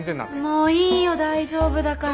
もういいよ大丈夫だから。